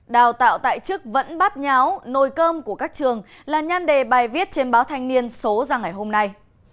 đào tạo tại chức vẫn bát nháo nồi cơm của các trường là nhan đề bài viết trên báo thanh niên số ra ngày hôm nay